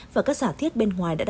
và các giả thiết bên ngoài đã đặt ra